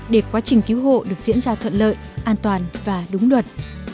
để quá trình cứu hộ được diễn ra thuận lợi an toàn và đúng luật